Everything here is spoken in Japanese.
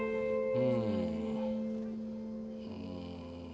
うん。